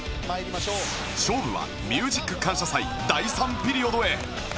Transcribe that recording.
勝負はミュージック感謝祭第３ピリオドへ